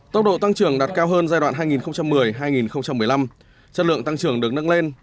tốc độ tăng trưởng đạt cao hơn giai đoạn hai nghìn một mươi hai nghìn một mươi năm chất lượng tăng trưởng được nâng lên